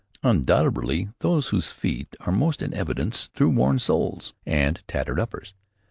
Undoubtedly those whose feet are most in evidence through worn soles and tattered uppers.